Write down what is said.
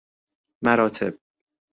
مراتب